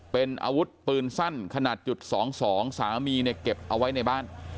เป็นอาวุธปืนสั้นขนาดจุด๒๒สามีเนี่ยเก็บเอาไว้ในบ้าน